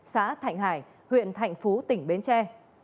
xã thạnh hải huyện thành phú tỉnh bến tre